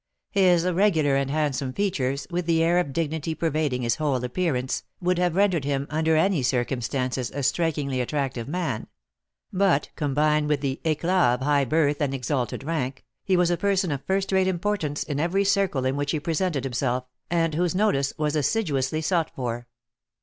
His regular and handsome features, with the air of dignity pervading his whole appearance, would have rendered him, under any circumstances, a strikingly attractive man; but, combined with the éclat of high birth and exalted rank, he was a person of first rate importance in every circle in which he presented himself, and whose notice was assiduously sought for.